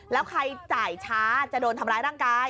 แล้วใครจ่ายช้าจะโดนทำร้ายร่างกาย